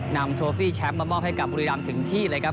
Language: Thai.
โชฟี่แชมป์มามอบให้กับบุรีรำถึงที่เลยครับ